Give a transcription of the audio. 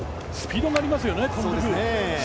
スピードがありますよね。